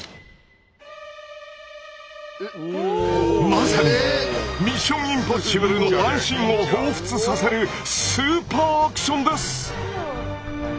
まさに「ミッション：インポッシブル」のワンシーンをほうふつさせるスーパーアクションです！